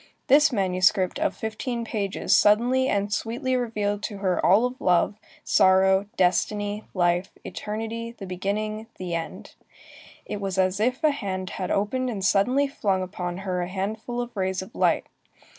This manuscript of fifteen pages suddenly and sweetly revealed to her all of love, sorrow, destiny, life, eternity, the beginning, the end. It was as if a hand had opened and suddenly flung upon her a handful of rays of light.